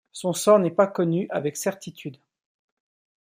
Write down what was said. Son sort n'est pas connu avec certitude.